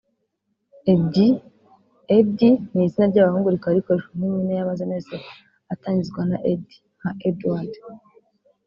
Eddie/Eddy ni izina ry’abahungu rikaba rikoreshwa nk’impine y’amazina yose atangizwa na Ed… nka Eduard